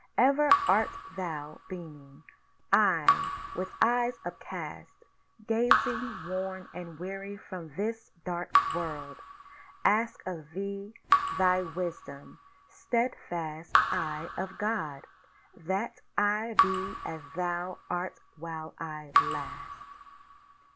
Ever art thou beaming. I, with eyes upcast, Gazing worn and weary from this Dark World, Ask of thee thy Wisdom, steadfast Eye of God, That I be as Thou art while I last.